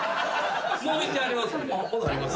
もう一点ありますんで。